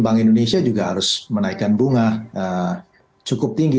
bank indonesia juga harus menaikkan bunga cukup tinggi